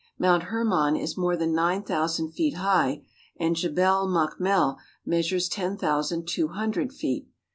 Mount Hermon is more than nine thousand feet high and Jebel Makmel measures ten thousand two hundred feet.